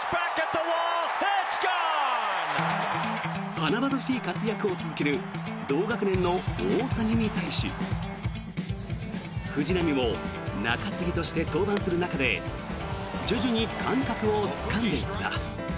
華々しい活躍を続ける同学年の大谷に対し藤浪も中継ぎとして登板する中で徐々に感覚をつかんでいった。